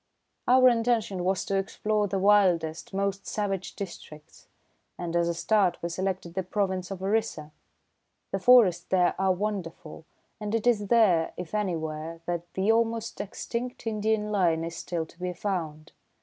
"Our intention was to explore the wildest, most savage districts, and as a start we selected the province of Orissa. The forests there are wonderful, and it is there, if anywhere, that the almost extinct Indian lion is still to be found.